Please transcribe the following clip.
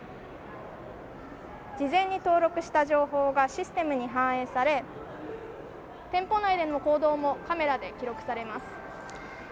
事前に登録した情報がシステムに反映され店舗内での行動もカメラで記録されます。